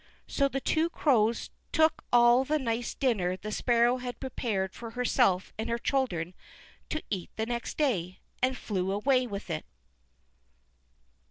So the two Crows took all the nice dinner the Sparrow had prepared for herself and her children to eat the next day, and flew away with it.